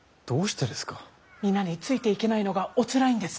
皆についていけないのがおつらいんですか？